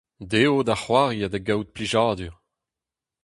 Dezho da c'hoari ha da gaout plijadur !